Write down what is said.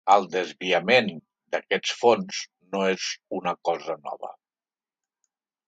El desviament d’aquests fons no és una cosa nova.